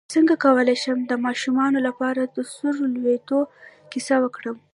څنګه کولی شم د ماشومانو لپاره د سور لویدو کیسه وکړم